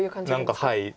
何かはい。